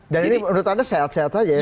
dan ini menurut anda sehat sehat aja ya